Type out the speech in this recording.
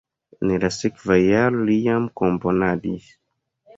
En la sekva jaro li jam komponadis.